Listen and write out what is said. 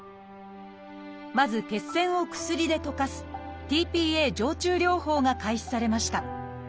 まず血栓を薬で溶かすｔ−ＰＡ静注療法が開始されました。